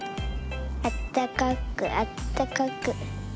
あったかくあったかく。